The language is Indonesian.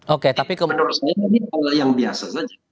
oke tapi menurut saya ini hal yang biasa saja